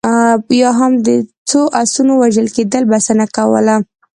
یا هم د څو اسونو وژل کېدو بسنه کوله.